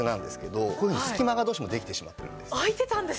こういうふうに隙間がどうしてもできてしまってるんです。